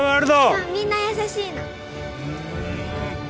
そうみんな優しいの。